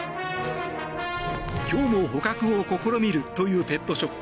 今日も捕獲を試みるというペットショップ。